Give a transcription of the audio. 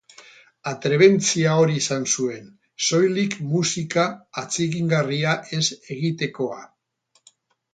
Atrebentzia hori izan zuen: soilik musika atsegingarria ez egitekoa.